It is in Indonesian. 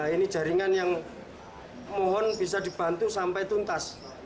ini jaringan yang mohon bisa dibantu sampai tuntas